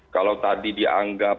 kalau tadi dianggap